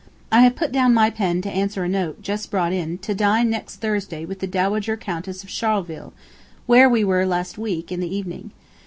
I have put down my pen to answer a note, just brought in, to dine next Thursday with the Dowager Countess of Charleville, where we were last week, in the evening.